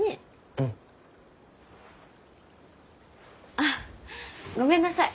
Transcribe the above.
うん。あっごめんなさい。